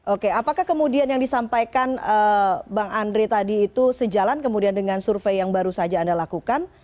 oke apakah kemudian yang disampaikan bang andre tadi itu sejalan kemudian dengan survei yang baru saja anda lakukan